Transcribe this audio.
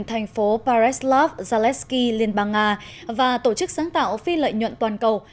thành phố paraslav zalesky liên bang nga và tổ chức sáng tạo phi lợi nhuận toàn cầu